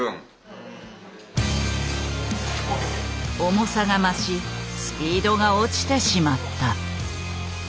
重さが増しスピードが落ちてしまった。